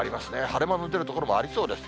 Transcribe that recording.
晴れ間の出る所もありそうです。